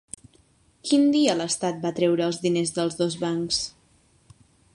Quin dia l'Estat va treure els diners dels dos bancs?